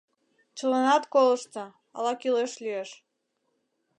— Чыланат колыштса, ала кӱлеш лиеш.